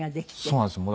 そうなんですよ。